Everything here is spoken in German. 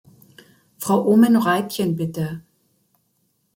Frau Oomen-Ruijten, bitte!